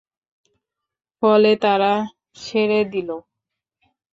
ফলে তারা ছেড়ে দিল।